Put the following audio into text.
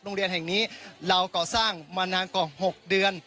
โรงเรียนแห่งนี้เราก่อสร้างมานานกว่า๖เดือน